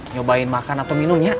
nyobain makan atau minum ya